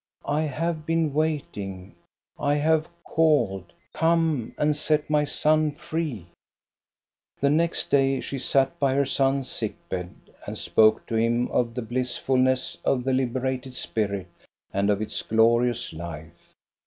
I have been wait ing. I have called. Come and set my son free !" The next day, she sat by her son's sick bed and spoke to him of the blissfulness of the liberated spirit and of its glorious life.